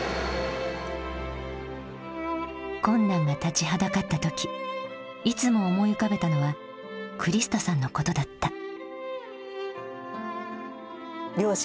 困難が立ちはだかった時いつも思い浮かべたのはクリスタさんのことだった。